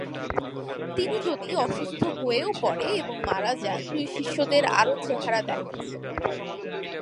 তিনি যদিও অসুস্থ পড়ে, এবং মারা যান, দুই শিষ্যদের আরও চেহারা দেখাচ্ছে।